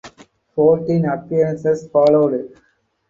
Fourteen appearances followed.